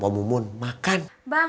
iya membanter alat pemakaman